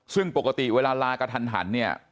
ซึ่งปกติเวลาลางานกะทันหัน